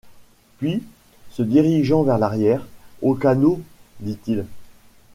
Puis, se dirigeant vers l’arrière: « Au canot, » dit-il.